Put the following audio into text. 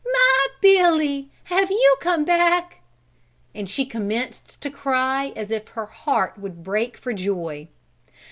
My Billy! Have you come back!" And she commenced to cry as if her heart would break for joy.